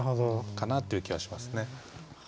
かなっていう気はしますね。